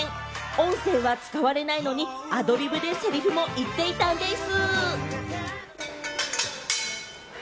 音声は使われないのにアドリブでせりふも言っていたんでぃす。